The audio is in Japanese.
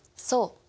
そう。